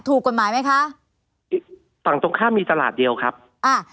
ถูกกฎหมายไหมคะฝั่งตรงข้ามมีตลาดเดียวครับอ่า